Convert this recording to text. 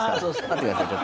待ってください。